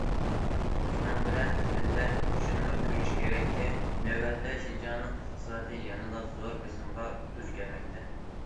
شۇنىڭ بىلەن بىللە شۇنىمۇ كۆرۈش كېرەككى، نۆۋەتتە شىنجاڭنىڭ ئىقتىسادى يەنىلا زور بېسىمغا دۇچ كەلمەكتە.